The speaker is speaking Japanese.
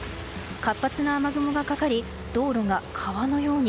活発な雨雲がかかり道路が川のように。